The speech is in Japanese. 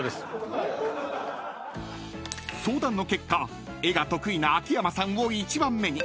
［相談の結果絵が得意な秋山さんを１番目に］